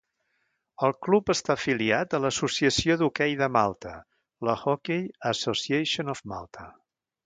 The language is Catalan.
El club està afiliat a l'associació d'hoquei de Malta, la Hockey Association of Malta.